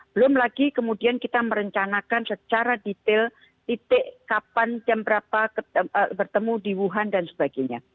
belum lagi kemudian kita merencanakan secara detail titik kapan jam berapa bertemu di wuhan dan sebagainya